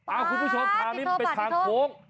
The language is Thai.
อ้าวคุณผู้ชมทางนี้เป็นทางคง